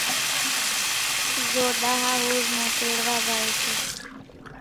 زو ڏۿا ۿور نو تيڙوا زائي سي،